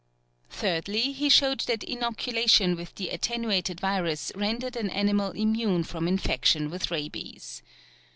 Thirdly, he showed that inoculation with the attenuated virus rendered an animal immune from infection with rabies.